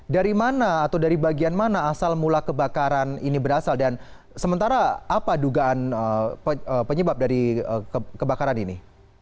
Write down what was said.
dari mana atau dari bagian mana asal mula kebakaran ini berasal dan sementara apa dugaan penyebab dari kebakaran ini